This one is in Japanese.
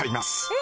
え？